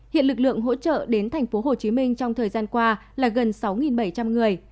hiện lực lượng hỗ trợ đến tp hcm trong thời gian qua là gần sáu bảy trăm linh người